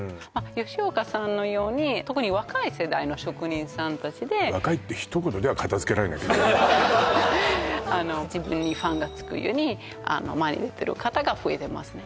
吉岡さんのように特に若い世代の職人さん達で「若い」ってひと言では片づけられないけどねあの自分にファンがつくように前に出てる方が増えてますね